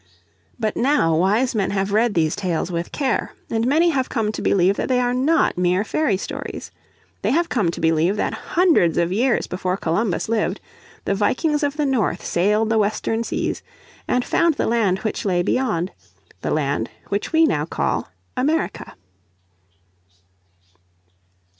But now wise men have read these tales with care, and many have come to believe that they are not mere fairy stories. They have come to believe that hundreds of years before Columbus lived the Vikings of the North sailed the western seas and found the land which lay beyond, the land which we now call America.